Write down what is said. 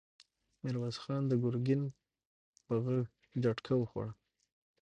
ميرويس خان د ګرګين په غږ جټکه وخوړه!